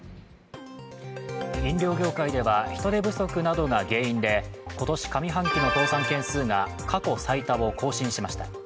飲食業界では人手不足などが原因で今年上半期の倒産件数が過去最多を更新しました。